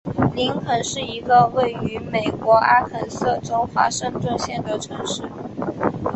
林肯是一个位于美国阿肯色州华盛顿县的城市。